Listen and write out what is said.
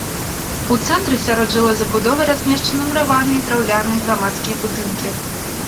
У цэнтры сярод жылой забудовы размешчаны мураваныя і драўляныя грамадскія будынкі.